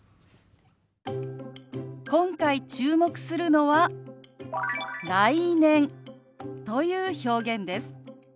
今回注目するのは「来年」という表現です。